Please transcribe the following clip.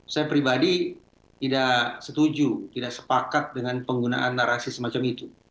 saya pribadi tidak setuju tidak sepakat dengan penggunaan narasi semacam itu